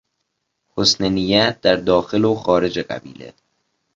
حسننیت در داخل و خارج قبیله